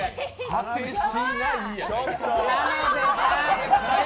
「果てしない」って。